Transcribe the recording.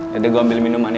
yaudah gue ambil minuman ya